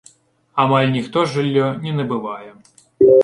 Амаль ніхто жыллё не набывае.